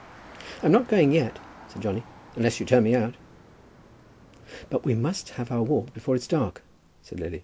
"I'm not going yet," said Johnny, "unless you turn me out." "But we must have our walk before it is dark," said Lily.